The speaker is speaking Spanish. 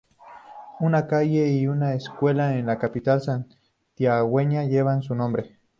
Una calle y una escuela en la capital santiagueña llevan su nombre.